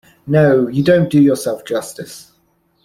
No, you don't do yourself justice.